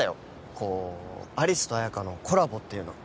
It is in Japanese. こう有栖と綾香のコラボっていうの？